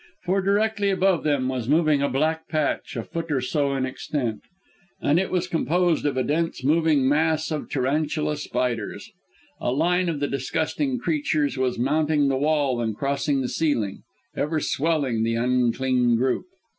For directly above them was moving a black patch, a foot or so in extent ... and it was composed of a dense moving mass of tarantula spiders! A line of the disgusting creatures was mounting the wall and crossing the ceiling, ever swelling the unclean group!